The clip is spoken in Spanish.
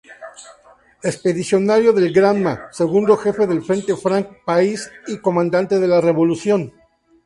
Expedicionario del Granma, segundo jefe del Frente Frank País y Comandante de la Revolución.